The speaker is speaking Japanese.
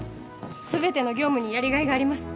全ての業務にやりがいがあります。